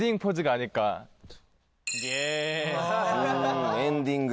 んエンディング。